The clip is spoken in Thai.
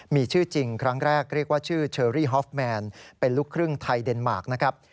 มีชื่อจริงครั้งแรกเรียกว่าชื่อเชอรี่ฮอฟแมนเป็นลูกครึ่งไทยเดนมาร์คนะครับ